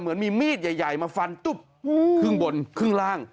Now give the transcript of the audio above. เหมือนมีมีดใหญ่มาฟันตุ๊บครึ่งบนครึ่งล่าง